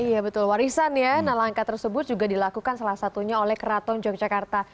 iya betul warisan ya nah langkah tersebut juga dilakukan salah satunya oleh keraton yogyakarta